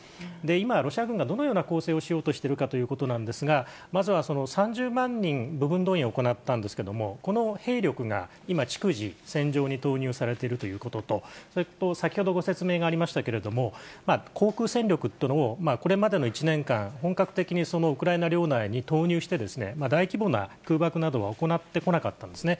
今、ロシア軍が、どのような攻勢をしようとしているかということなんですが、まずは３０万人、部分動員を行ったんですけども、この兵力が今、逐次戦場に投入されているということと、それと、先ほどご説明がありましたけれども、航空戦力とのこれまでの１年間、本格的にウクライナ領内に投入して、大規模な空爆などは行ってこなかったんですね。